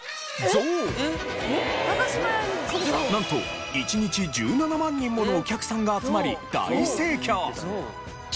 なんと一日１７万人ものお客さんが集まり大盛況！